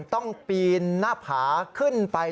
ต้องปีนหน้าผาขึ้นไป